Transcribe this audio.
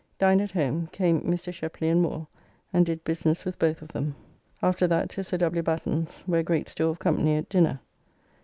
Dined at home, came Mr. Shepley and Moore, and did business with both of them. After that to Sir W. Batten's, where great store of company at dinner.